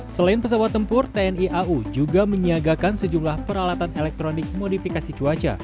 selain pesawat tempur tni au juga menyiagakan sejumlah peralatan elektronik modifikasi cuaca